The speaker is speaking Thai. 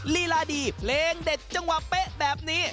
ลีลาดีเพลงเด็ดจังหวะเป๊ะแบบนี้